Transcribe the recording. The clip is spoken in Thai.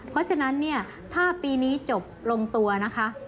เพราะฉะนั้นเนี่ยถ้าปีนี้จบลงตัวนะคะ